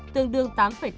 tương đương tám tám